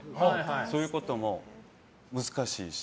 そういうことも難しいし。